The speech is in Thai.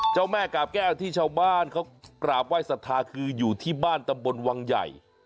เจ้าแม่กาบแก้วที่ชาวบ้านเขากราบไหว้สัทธาคืออยู่ที่บ้านตำบลวังใหญ่